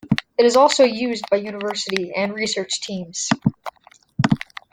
It is also used by university and research teams.